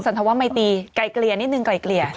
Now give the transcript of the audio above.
โทษว่าไม่ตีทั้งาเกลียอีกเลย